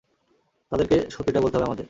তাদেরকে সত্যিটা বলতে হবে আমাদের।